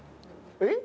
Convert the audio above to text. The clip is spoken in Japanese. えっ？